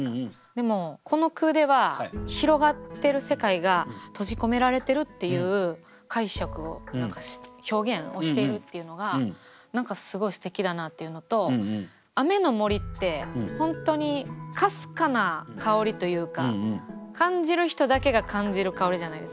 でもこの句ではっていう解釈を表現をしているっていうのが何かすごいすてきだなっていうのと「雨の森」って本当にかすかな香りというか感じる人だけが感じる香りじゃないですか。